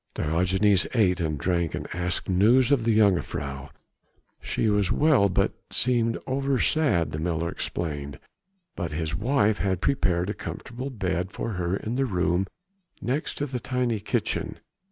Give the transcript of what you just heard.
Diogenes ate and drank and asked news of the jongejuffrouw. She was well but seemed over sad, the miller explained; but his wife had prepared a comfortable bed for her in the room next to the tiny kitchen.